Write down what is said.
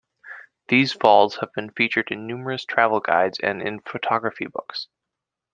These falls have been featured in numerous travel guides and in photography books.